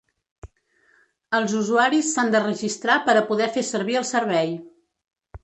Els usuaris s’han de registrar per a poder fer servir el servei.